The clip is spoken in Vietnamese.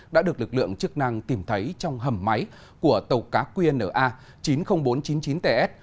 đã được lực lượng chức năng tìm thấy trong hầm máy của tàu cá qna chín mươi nghìn bốn trăm chín mươi chín ts